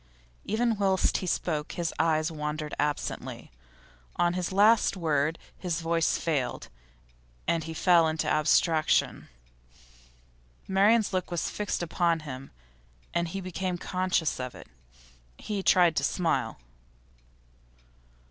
Even whilst he spoke his eyes wandered absently. On the last word his voice failed, and he fell into abstraction. Marian's look was fixed upon him, and he became conscious of it. He tried to smile.